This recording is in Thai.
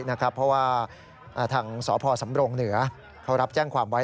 เพราะว่าทางสพสำรงเหนือเขารับแจ้งความไว้